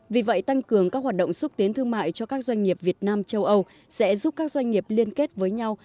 vì vậy tăng cường các hoạt động xúc tiến thương mại cho các doanh nghiệp việt nam châu âu sẽ giúp các doanh nghiệp liên kết với nhau